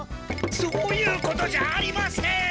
そういうことじゃありません！